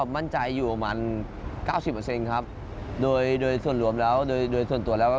มั่นใจอยู่ระหว่าง๙๐